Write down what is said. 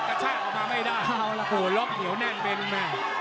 กระช่าออกมาไม่ได้โหล๊อคเหนียวแน่นเป็นแม่ง